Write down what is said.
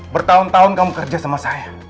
bertahun tahun kamu kerja sama saya